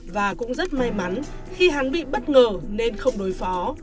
và cũng rất may mắn khi hắn bị bất ngờ nên không đối phó